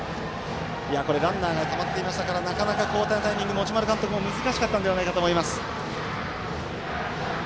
これ、ランナーがたまっていましたから交代のタイミング、持丸監督も難しかったんではないかと思います。